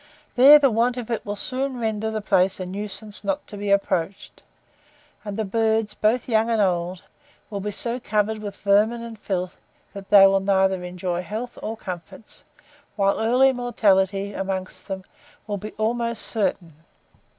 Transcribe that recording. There the want of it will soon render the place a nuisance not to be approached, and the birds, both young and old, will be so covered with vermin and filth, that they will neither enjoy health nor comforts, whilst early mortality amongst them will be almost certain.